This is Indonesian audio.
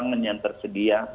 pangan yang tersedia